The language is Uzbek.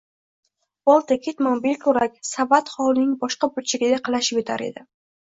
bolta, ketmon, belkurak, savat hovlining boshqa burchagida qalashib yotar edi.